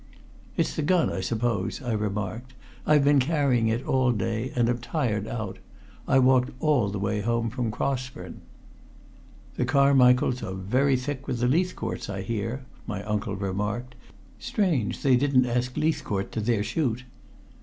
"It's the gun, I suppose," I remarked. "I've been carrying it all day, and am tired out. I walked all the way home from Crossburn." "The Carmichaels are very thick with the Leithcourts, I hear," my uncle remarked. "Strange they didn't ask Leithcourt to their shoot."